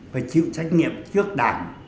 và chịu trách nhiệm trước đảng